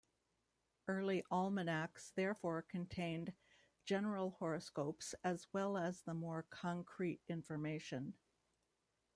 Early almanacs therefore contained general horoscopes, as well as the more concrete information.